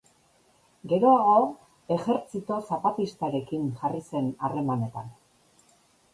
Geroago Ejertzito Zapatistarekin jarri zen harremanetan.